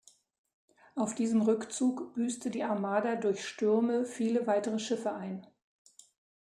Auf diesem Rückzug büßte die Armada durch Stürme viele weitere Schiffe ein.